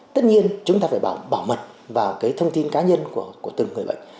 tất nhiên chúng ta phải bảo mật vào cái thông tin cá nhân của từng người bệnh